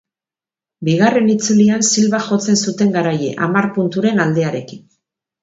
Bigarren itzulian Silva jotzen zuten garaile, hamar punturen aldearekin.